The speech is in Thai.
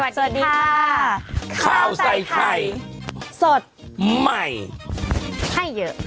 สวัสดีค่ะข้าวใส่ไข่สดใหม่ให้เยอะ